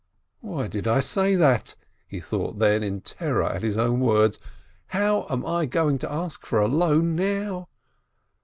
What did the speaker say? "Why did I say that?" he thought then, in terror at his own words. "How am I going to ask for a loan now?"